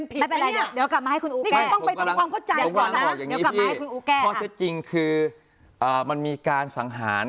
และถึงคือมันมีการสังหาร